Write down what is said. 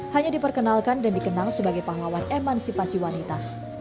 hanya diperkenalkan dan dikenang sebagai pahlawan emansipasi wanita